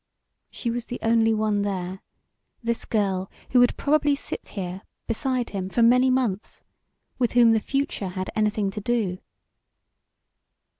She was the only one there, this girl who would probably sit here beside him for many months, with whom the future had anything to do.